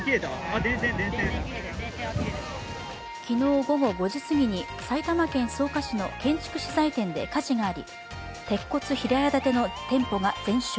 昨日午後５時過ぎに埼玉県草加市の建築資材店で火事があり鉄骨平屋建ての店舗が全焼。